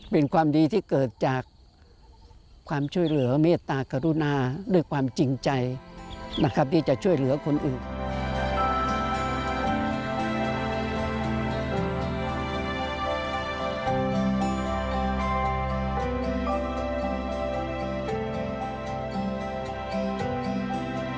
เป็นความดีที่เกิดจากความช่วยเหลือเมตตากรุณาด้วยความจริงใจนะครับที่จะช่วยเหลือคนอื่น